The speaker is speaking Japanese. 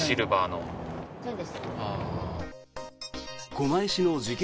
狛江市の事件